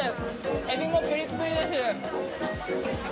エビもぷりぷりです。